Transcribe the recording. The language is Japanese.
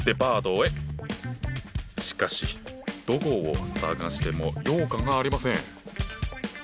しかしどこを探しても羊羹がありません。